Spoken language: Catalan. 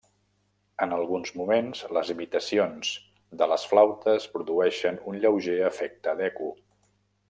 En alguns moments, les imitacions de les flautes produeixen un lleuger efecte d'eco.